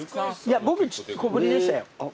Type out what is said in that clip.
いや僕小ぶりでしたよ。